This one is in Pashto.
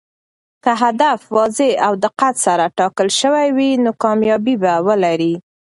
که هدف واضح او دقت سره ټاکل شوی وي، نو کامیابي به ولري.